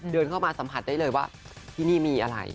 เดินเข้ามาสัมผัสได้เลยว่าที่นี่มีอะไร